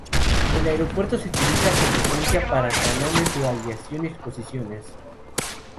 El aeropuerto se utiliza con frecuencia para salones de aviación y exposiciones.